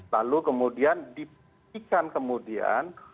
lalu kemudian dipilihkan kemudian